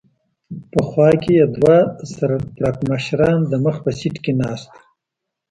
په خوا کې یې دوه سر پړکمشران د مخ په سېټ کې ناست و.